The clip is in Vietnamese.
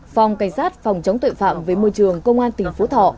phòng cảnh sát phòng chống tội phạm với môi trường công an tỉnh phú thọ